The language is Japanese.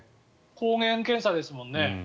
抗原検査ですもんね。